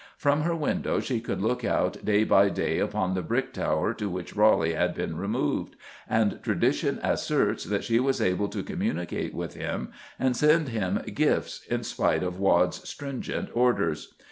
From her window she could look out day by day upon the Brick Tower to which Raleigh had been removed, and tradition asserts that she was able to communicate with him and send him gifts in spite of Waad's stringent orders.